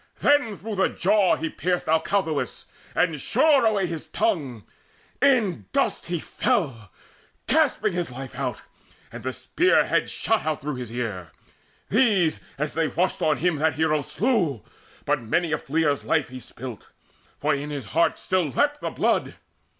Then through the jaw he pierced Alcathous, And shore away his tongue: in dust he fell Gasping his life out, and the spear head shot Out through his ear. These, as they rushed on him, That hero slew; but many a fleer's life He spilt, for in his heart still leapt the blood.